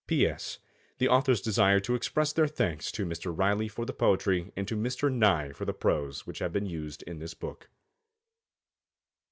P. S. The authors desire to express their thanks to Mr. Riley for the poetry and to Mr. Nye for the prose which have been used in this book.